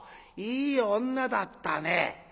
いい女だったね。